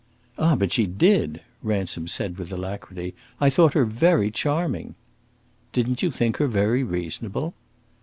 "Ah, but she did!" Ransom said, with alacrity. "I thought her very charming!" "Didn't you think her very reasonable?"